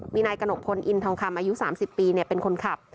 มีนายกระหนกพลอินทองคำอายุ๓๐ปีเป็นคนขับ